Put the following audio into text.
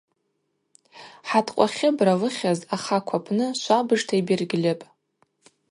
Хӏаткъва Хьыбра лыхьыз ахакв апны швабыжта йбергьльыпӏ.